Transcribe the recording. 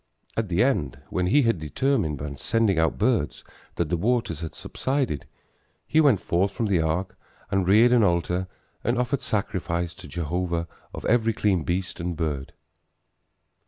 At the end, when he had determined by sending out birds that the waters had subsided, he went forth from the ark and reared an altar and offered sacrifice to Jehovah of every clean beast and bird.